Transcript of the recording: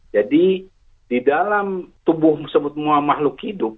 jadi di dalam tubuh semua makhluk hidup